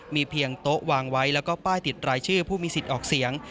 มีเพียงโต๊ะวางไว้แล้วก็ป้ายติดรายชื่อผู้มีสิทธิ์ออกเสียง